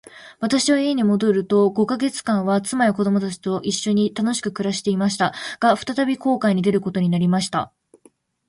私は家に戻ると五ヵ月間は、妻や子供たちと一しょに楽しく暮していました。が、再び航海に出ることになりました。